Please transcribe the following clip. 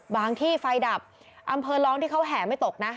ที่ไฟดับอำเภอร้องที่เขาแห่ไม่ตกนะ